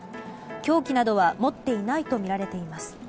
凶器などは持っていないとみられています。